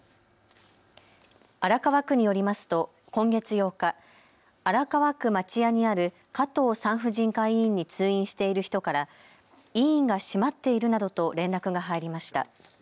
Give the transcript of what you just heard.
荒川区によりますと今月８日、荒川区町屋にある加藤産婦人科医院に通院している人から医院が閉まっているなどと連絡が入りました。